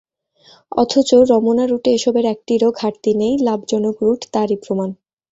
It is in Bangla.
অথচ রমনা রুটে এসবের একটিরও ঘাটতি নেই, লাভজনক রুট তারই প্রমাণ।